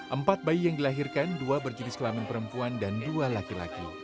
empat bayi yang dilahirkan dua berjenis kelamin perempuan dan dua laki laki